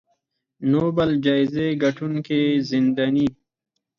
نوبل جایزې ګټونکې زنداني